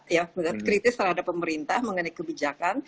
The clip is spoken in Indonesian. ya kritis terhadap pemerintah mengenai kebijakan